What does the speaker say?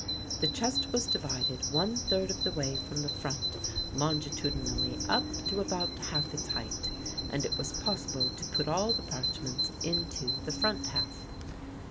The chest was divided one third of the way from the front longitudinally up to about half its height and it was possible to put all the parchments into the front half.